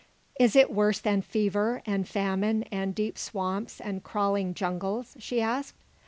"Is it worse than fever, and famine, and deep swamps, and crawling jungles?" she asked.